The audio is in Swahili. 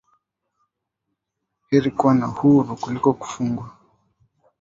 Heri kuwa huuru kuliko kufungwa